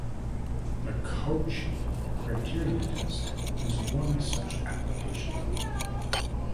The Cauchy Criterion test is one such application.